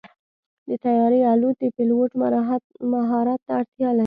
د طیارې الوت د پيلوټ مهارت ته اړتیا لري.